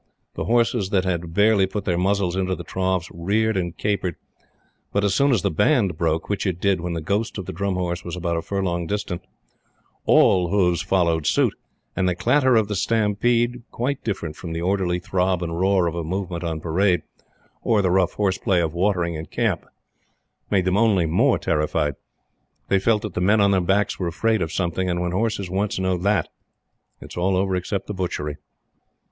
The horses that had barely put their muzzles into the trough's reared and capered; but, as soon as the Band broke, which it did when the ghost of the Drum Horse was about a furlong distant, all hooves followed suit, and the clatter of the stampede quite different from the orderly throb and roar of a movement on parade, or the rough horse play of watering in camp made them only more terrified. They felt that the men on their backs were afraid of something. When horses once know THAT, all is over except the butchery.